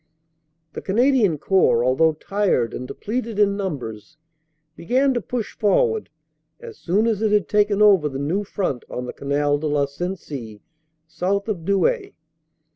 "The Canadian Corps, although tired and depleted in numbers, began to push forward as soon as it had taken over the new front on the Canal de la Sensee south of Douai.